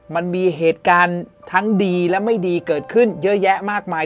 มันมีเหตุการณ์ทั้งดีและไม่ดีเกิดขึ้นเยอะแยะมากมาย